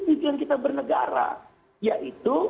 tujuan kita bernegara yaitu